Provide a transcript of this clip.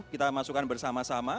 kita masukkan bersama sama